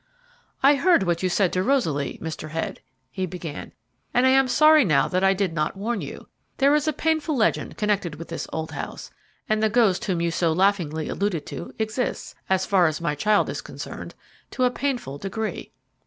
"I heard what you said to Rosaly, Mr. Head," he began; "and I am sorry now that I did not warn you. There is a painful legend connected with this old house, and the ghost whom you so laughingly alluded to exists, as far as my child is concerned, to a painful degree."